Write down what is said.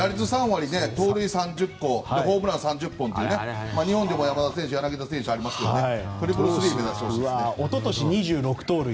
打率３割、盗塁３０個ホームラン３０本と日本も山田選手、柳田選手がやりましたがトリプルスリーを目指してほしいですね。